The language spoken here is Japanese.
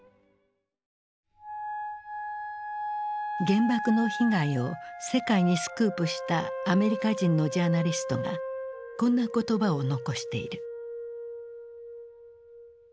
原爆の被害を世界にスクープしたアメリカ人のジャーナリストがこんな言葉を残している。